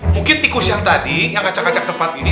mungkin tikus yang tadi yang kacak kacak tempat ini